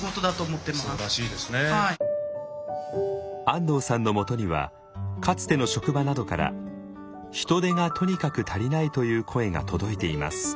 安藤さんのもとにはかつての職場などから人手がとにかく足りないという声が届いています。